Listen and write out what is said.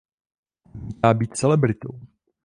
Odmítá být celebritou.